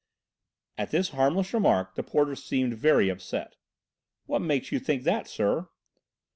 At this harmless remark the porter seemed very upset. "What makes you think that, sir?"